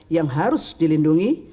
yang harus dilindungi